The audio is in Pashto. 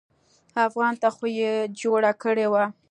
افغان ته خو يې جوړه کړې وه.